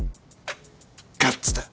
ガッツだ！